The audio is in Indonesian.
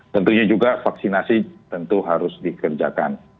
tentunya juga vaksinasi tentu harus dikerjakan